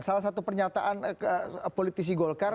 salah satu pernyataan politisi golkar